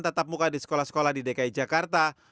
tetap muka di sekolah sekolah di dki jakarta